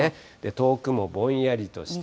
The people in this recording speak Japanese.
遠くもぼんやりとして。